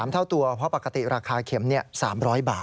๓เท่าตัวปกติราคาเข็มนี้๓๐๐บาท